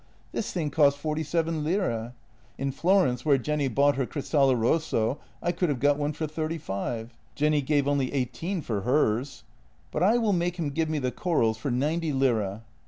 This thing cost forty seven lire. In Florence, where Jenny bought her crist alio rosso, I could have got one for thirty five. Jenny gave only eighteen for hers. But I will make him give me the corals for ninety lire."